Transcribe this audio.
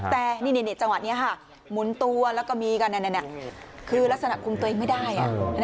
แต่นี่จังหวะนี้ค่ะหมุนตัวแล้วก็มีกันคือลักษณะคุมตัวเองไม่ได้